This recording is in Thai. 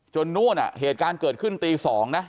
จนนู้นอ่ะเหตุการณ์เกิดขึ้นตีสองนะ